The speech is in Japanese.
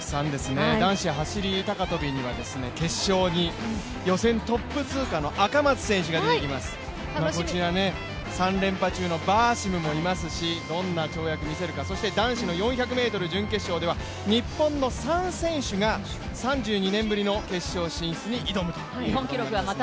男子走高跳には決勝に予選トップ通過の赤松選手が出てきます、３連覇中のバーシムもいますし、どんな跳躍を見せるかそして男子の４００ｍ準決勝では日本の３選手が３２年ぶりの決勝進出に挑むということになります。